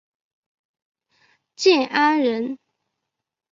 建安人。